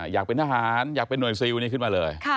อยากเป็นทหารอยากเป็นหน่วยซิลนี่ขึ้นมาเลย